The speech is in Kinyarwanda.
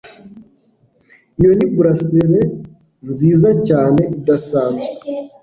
Iyo ni bracelet nziza cyane idasanzwe